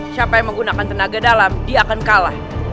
siapa yang menggunakan tenaga dalam dia akan kalah